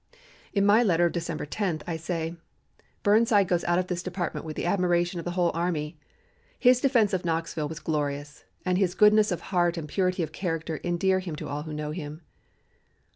In my letter of December 10, I say: "Burnside goes out of this Department with the admiration of the whole army. His defense of Knoxville was glorious, and his goodness of heart and purity of character endear him to all who know him."